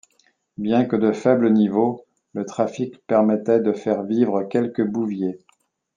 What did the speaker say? Bien que de faible niveau, le trafic permettait de faire vivre quelques bouviers.